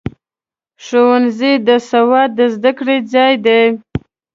ښوونځی د سواد د زده کړې ځای دی.